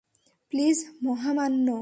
Please, মহামান্য।